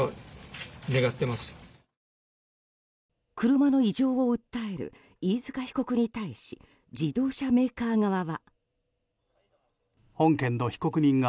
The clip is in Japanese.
車の異常を訴える飯塚被告に対し自動車メーカー側は。